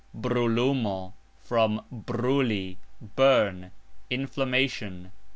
brulumo (" "bruli", burn), inflammation.